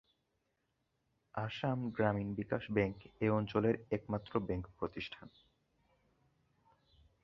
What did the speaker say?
Assam Gramin Vikash bank এ অঞ্চলের একমাত্র ব্যাংক প্রতিষ্ঠান।